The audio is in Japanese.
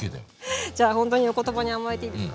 じゃあほんとにお言葉に甘えていいですか？